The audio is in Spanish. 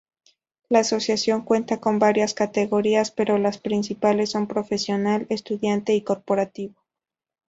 La asociación cuenta con varias categorías, pero las principales son profesional, estudiante y corporativo.